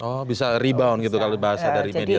oh bisa rebound gitu kalau dibahas dari median tadi ya